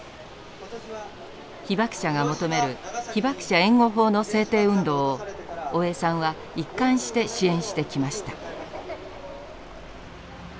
被爆者が求める被爆者援護法の制定運動を大江さんは一貫して支援してきました。